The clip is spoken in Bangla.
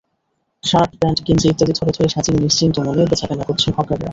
শার্ট, প্যান্ট, গেঞ্জি ইত্যাদি থরে থরে সাজিয়ে নিশ্চিন্ত মনে বেচাকেনা করছেন হকাররা।